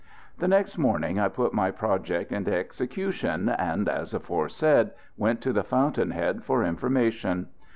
The next morning I put my project into execution, and, as aforesaid, went to the fountain head for information.